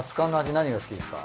何が好きですか？